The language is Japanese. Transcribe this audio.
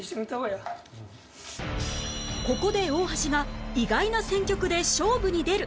ここで大橋が意外な選曲で勝負に出る